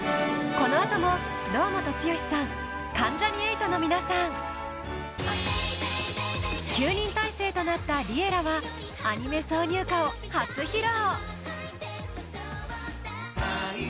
この後も堂本剛さん関ジャニ∞の皆さん９人体制となったＬｉｅｌｌａ！はアニメ挿入歌を初披露。